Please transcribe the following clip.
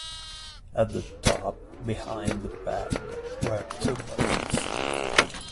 At the top, "behind" the pad, were two buttons.